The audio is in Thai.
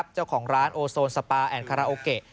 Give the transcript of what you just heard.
เจ้าของร้านโอโซนสปาแอนดคาราโอเกะ